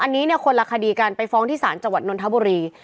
อันนี้คนละคดีการไปฟ้องที่สารจังหวัดนทบุรี